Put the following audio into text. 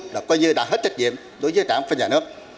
là coi như đã hết trách nhiệm đối với cảng phân nhà nước